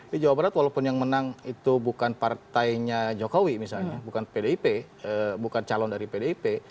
di jawa barat walaupun yang menang itu bukan partainya jokowi misalnya bukan pdip bukan calon dari pdip